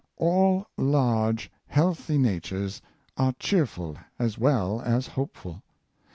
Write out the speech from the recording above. All large, healthy natures are cheerful as well as hopeful.